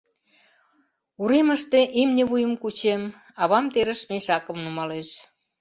Уремыште имне вуйым кучем, авам терыш мешакым нумалеш.